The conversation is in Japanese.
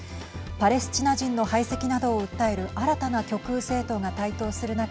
パレスチナ人の排斥などを訴える新たな極右政党が台頭する中